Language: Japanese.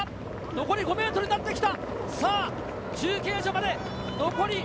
残り５ｍになってきた。